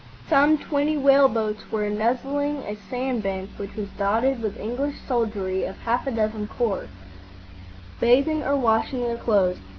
Some twenty whale boats were nuzzling a sand bank which was dotted with English soldiery of half a dozen corps, bathing or washing their clothes.